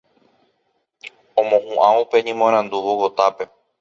Omohuʼã upe ñemoarandu Bogotápe.